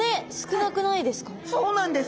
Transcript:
そうなんです。